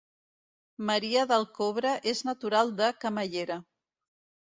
Maria del Cobre és natural de Camallera